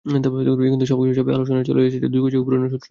কিন্তু সবকিছু ছাপিয়ে আলোচনায় চলে এসেছে দুই কোচের পুরোনো শত্রুতার ইতিহাস।